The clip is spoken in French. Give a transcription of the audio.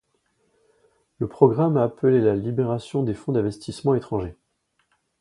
Le programme a appelé à la libéralisation des fonds d'investissement étrangers.